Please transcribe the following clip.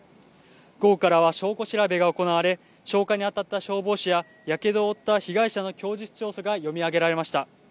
午後からは証拠調べが行われ、消火に当たった消防士ややけどを負った被害者の供述調書が読み上げられました。